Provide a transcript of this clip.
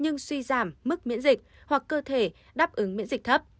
nhưng suy giảm mức miễn dịch hoặc cơ thể đáp ứng miễn dịch thấp